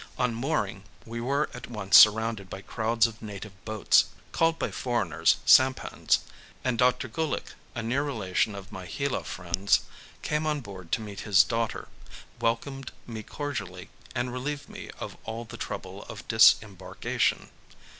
On mooring we were at once surrounded by crowds of native boats called by foreigners sampans, and Dr. Gulick, a near relation of my Hilo friends, came on board to meet his daughter, welcomed me cordially, and relieved me of all the trouble of disembarkation.